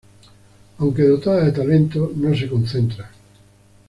Aunque dotada de talento, no se concentra.